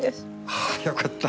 ああよかった。